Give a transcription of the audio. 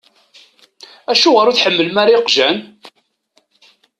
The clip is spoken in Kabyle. Acuɣer ur tḥemmlem ara iqjan?